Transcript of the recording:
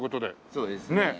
そうですね。